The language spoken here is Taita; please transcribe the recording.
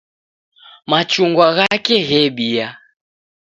Machungwa ghake ghebia